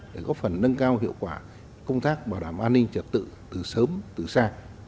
để góp phần nâng cao hiệu quả công tác bảo đảm an ninh trật tự từ sớm từ xa